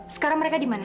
sekarang mereka dimana